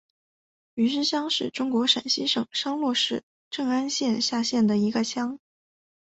余师乡是中国陕西省商洛市镇安县下辖的一个乡。